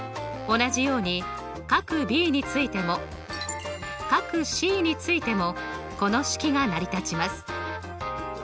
同じように角Ｂについても角Ｃについてもこの式が成り立ちます。